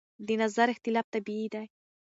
د نظر اختلاف طبیعي دی.